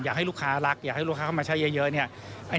อยากให้ลูกค้ารักอยากให้ลูกค้าเข้ามาใช้เยอะเนี่ย